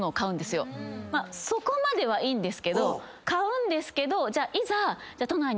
そこまではいいんですけど買うんですけどいざ。